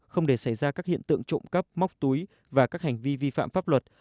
không để xảy ra các hiện tượng trộm cắp móc túi và các hành vi vi phạm pháp luật